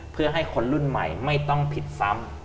เพื่อให้คนรุ่นใหม่ไม่ต้องผิดซ้ำ